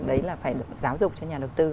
đấy là phải giáo dục cho nhà đầu tư